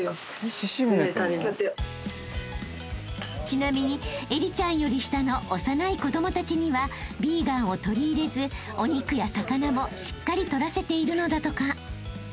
［ちなみに英里ちゃんより下の幼い子供たちにはヴィーガンを取り入れずお肉や魚もしっかり取らせているのだとか］